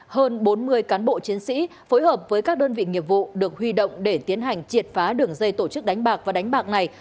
hơn bốn mươi cán bộ chiến sĩ phối hợp với các đơn vị nghiệp vụ được huy động để tiến hành triệt phá đường dây tổ chức đánh bạc và đánh bạc này